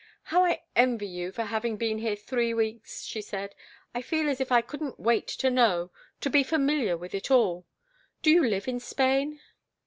"How I envy you for having been here three weeks!" she said. "I feel as if I couldn't wait to know, to be familiar with it all. Do you live in Spain?"